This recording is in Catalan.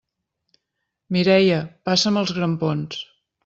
Mireia, passa'm els grampons!